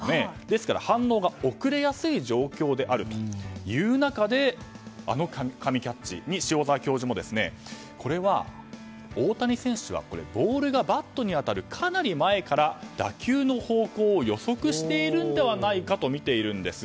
ですから反応が遅れやすい状況であるという中であの神キャッチに、塩澤教授もこれは、大谷選手はボールがバットに当たるかなり前から打球の方向を予測しているのではないかとみているんです。